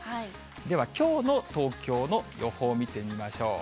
では、きょうの東京の予報見てみましょう。